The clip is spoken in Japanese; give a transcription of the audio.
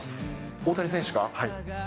大谷選手が？